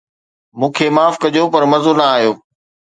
مون کي معاف ڪجو پر مزو نه آيو